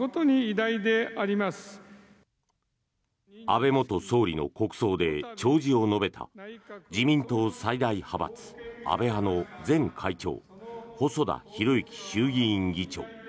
安倍元総理の国葬で弔辞を述べた自民党最大派閥・安倍派の前会長細田博之衆院議長。